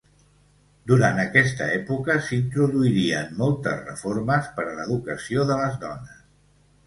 Durant aquesta època s'introduirien moltes reformes per a l'educació de les dones.